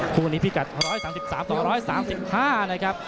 คู่กันนี้พี่กัดร้อยสามสิบสามต่อร้อยสามสิบห้าเลยครับ